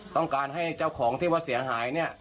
ต้องการให้เจ้าของที่ว่าเสียหายเนี่ย